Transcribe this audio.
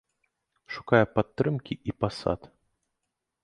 Шукае падтрымкі і пасад.